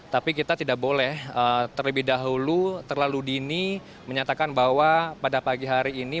tapi kita tidak boleh terlebih dahulu terlalu dini menyatakan bahwa pada pagi hari ini